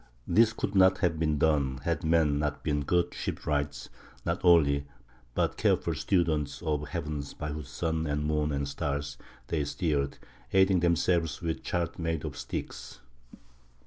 This could not have been done had men not been good shipwrights, not only, but careful students of the heavens by whose sun and moon and stars they steered, aiding themselves with charts made of sticks.